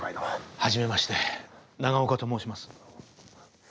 はじめまして永岡と申します。